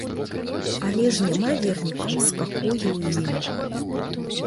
Але ж няма вернікам спакою ў ім.